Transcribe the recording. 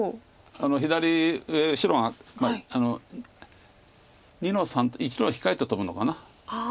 左上白が２の三と１路控えてトブのかな。